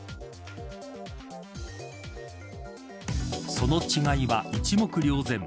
その違いは一目瞭然。